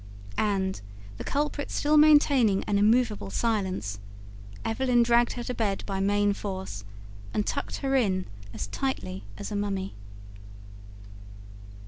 And, the culprit still maintaining an immovable silence, Evelyn dragged her to bed by main force, and tucked her in as tightly as a mummy.